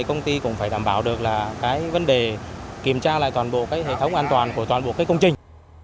công ty cũng phải đảm bảo được vấn đề kiểm tra lại toàn bộ hệ thống an toàn của toàn bộ công trình